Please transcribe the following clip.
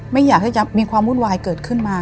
ไม่อยากให้จะมีความวุ่นวายเกิดขึ้นมา